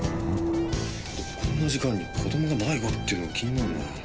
こんな時間に子供が迷子っていうのも気になるなあ。